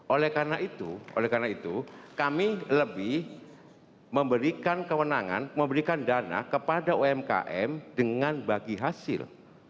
oleh karena itu kami lebih memberikan kewenangan memberikan dana kepada umkm dengan bagi hasil